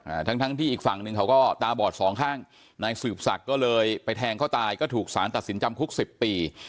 ทั้งทั้งที่อีกฝั่งหนึ่งเขาก็ตาบอดสองข้างนายสืบศักดิ์ก็เลยไปแทงเขาตายก็ถูกสารตัดสินจำคุกสิบปี